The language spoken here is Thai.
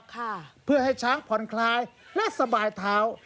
ให้นะครับค่ะเพื่อให้ช้างผ่อนคลายและสบายเท้า